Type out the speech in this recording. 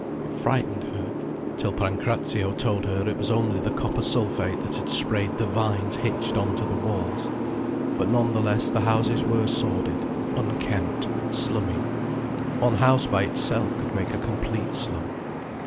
It frightened her, till Pancrazio told her it was only the copper sulphate that had sprayed the vines hitched on to the walls. But none the less the houses were sordid, unkempt, slummy. One house by itself could make a complete slum.